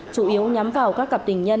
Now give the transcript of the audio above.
chủ yếu nhắm vào các cặp tình nhân